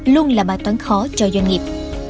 luôn là bài toán khó cho doanh nghiệp